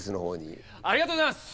ありがとうございます！